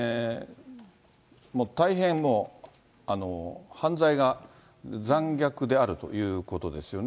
大変もう、犯罪が残虐であるということですよね。